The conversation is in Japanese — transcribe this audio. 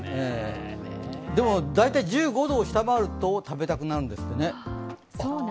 でも大体、１５度を下回ると食べたくなるんですよね。